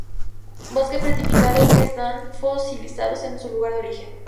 Bosque petrificado, que están fosilizados en su lugar de origen.